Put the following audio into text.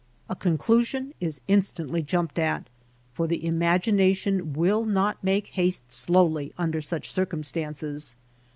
A conclusion is instantly jumped at, for the im agination will not make haste slowly under such circumstances.